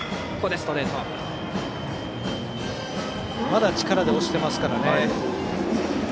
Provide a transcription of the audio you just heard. まだ力で押していますから。